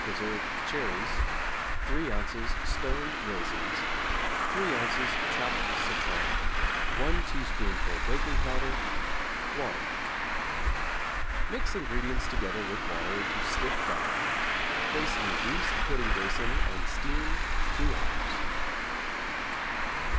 preserved cherries, 3 ozs. stoned raisins, 3 ozs. chopped citron, 1 teaspoonful baking powder, water. Mix ingredients together with water into stiff batter; place in greased pudding basin and steam 2 hours.